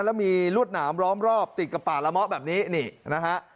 แล้วมีรวดหนามล้อมรอบติดกับป่าละเมาะแบบนี้นี่นะฮะ